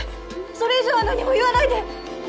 それ以上は何も言わないで。